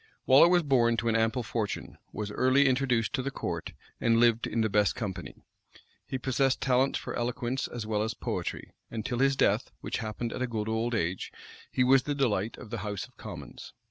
Waller was born to an ample fortune, was early introduced to the court, and lived in the best company. He possessed talents for eloquence as well as poetry; and till his death, which happened in a good old age, he was the delight of the house of commons.